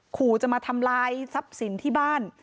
ขู่จะมาทำลายทรัพย์สินที่บ้าน